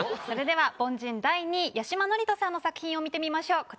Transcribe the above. それでは凡人第２位八嶋智人さんの作品を見てみましょう。